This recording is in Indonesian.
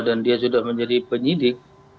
dia sudah menjadi penyidik